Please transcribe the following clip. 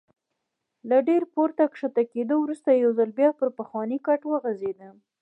له ډېر پورته کښته کېدو وروسته یو ځل بیا پر پخواني کټ وغځېدم.